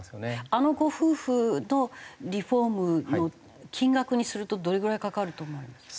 あのご夫婦のリフォームの金額にするとどれぐらいかかると思います？